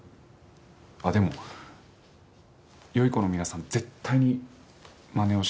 あっでも良い子の皆さん絶対にまねをしないでください。